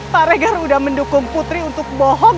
pak regar sudah mendukung putri untuk bohong